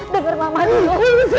dengar mama dulu